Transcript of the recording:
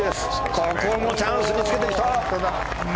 ここもチャンスにつけてきた。